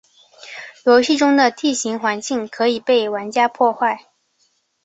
游戏中的地形环境可以被玩家破坏。